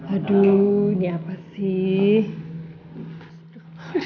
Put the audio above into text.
aduh ini apa sih